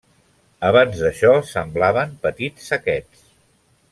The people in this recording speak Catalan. Abans d'això semblaven petits saquets.